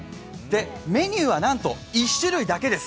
メニューはなんと１種類だけです。